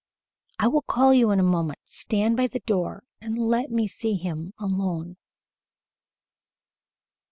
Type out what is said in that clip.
I will call you in a moment. Stand by the door, and let me see him alone."